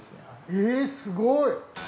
えぇすごい！